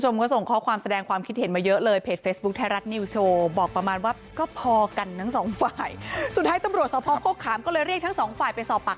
หรือว่าต่างคนต่างอยู่อะไรประมาณนี้